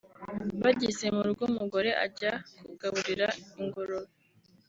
Bageze mu rugo umugore ajya kugaburira ingurube